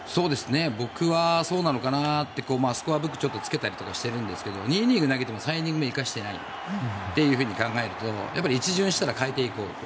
僕はそうなのかなってスコアブックをつけたりとかしてるんですけど２イニング投げても３イニングまで行かせていないと考えると１巡したら代えていこうと。